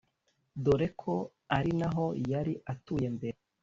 dore ko ari naho yari atuye mbere